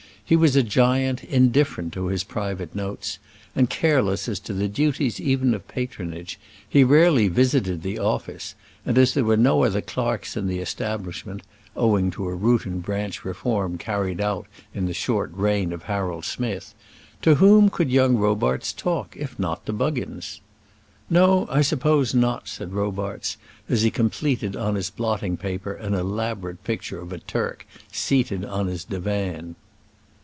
He was a giant indifferent to his private notes, and careless as to the duties even of patronage; he rarely visited the office, and as there were no other clerks in the establishment owing to a root and branch reform carried out in the short reign of Harold Smith to whom could young Robarts talk, if not to Buggins? "No; I suppose not," said Robarts, as he completed on his blotting paper an elaborate picture of a Turk seated on his divan.